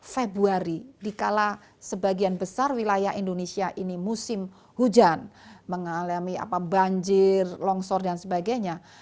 februari dikala sebagian besar wilayah indonesia ini musim hujan mengalami banjir longsor dan sebagainya